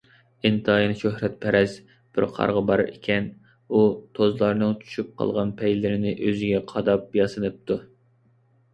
ئىنتايىن شۆھرەتپەرەس بىر قاغا بار ئىكەن. ئۇ توزلارنىڭ چۈشۈپ قالغان پەيلىرىنى ئۆزىگە قاداپ ياسىنىپتۇ.